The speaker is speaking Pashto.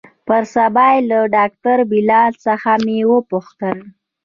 پر سبا يې له ډاکتر بلال څخه مې وپوښتل.